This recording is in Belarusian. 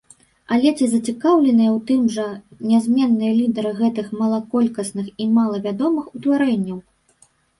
Але ці зацікаўленыя ў тым жа нязменныя лідары гэтых малаколькасных і малавядомых утварэнняў?